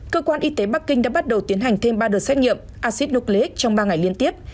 cơ quan y tế bắc kinh đã bắt đầu tiến hành thêm ba đợt xét nghiệm acid nucleic trong ba ngày liên tiếp